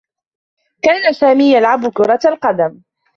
كان سامي يلعب كرة القدم.